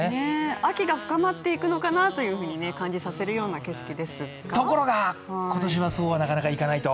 秋が深まっていくのかなというふうに感じさせる景色ですがところが今年はそうなかなかいかないと。